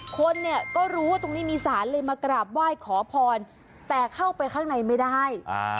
คนเนี่ยก็รู้ว่าตรงนี้มีศาลเลยมากราบไหว้ขอพรแต่เข้าไปข้างในไม่ได้